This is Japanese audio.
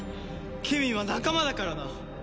ケミーは仲間だからな。